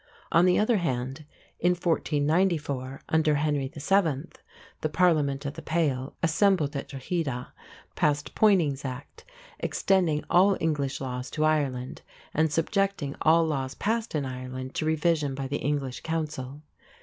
On the other hand, in 1494, under Henry VII., the Parliament of the Pale, assembled at Drogheda, passed Poyning's Act, extending all English laws to Ireland and subjecting all laws passed in Ireland to revision by the English Council.